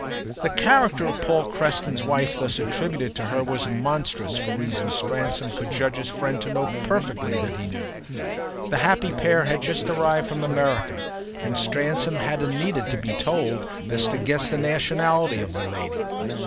The character of Paul Creston's wife thus attributed to her was monstrous for reasons Stransom could judge his friend to know perfectly that he knew. The happy pair had just arrived from America, and Stransom hadn't needed to be told this to guess the nationality of the lady.